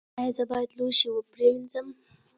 ایا زه باید لوښي پریمنځم؟